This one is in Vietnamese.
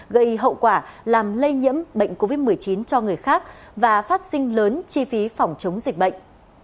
gây hậu quả làm lây nhiễm bệnh covid một mươi chín cho người khác và phát sinh lớn chi phí phòng chống dịch bệnh